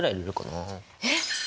えっ！？